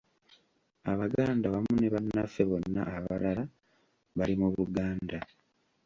Abaganda wamu ne bannaffe bonna abalala bali mu Buganda